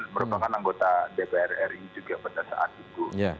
merupakan anggota dprr ini juga pada saat itu